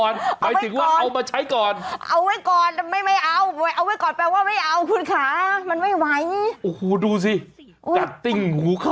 นี่จริง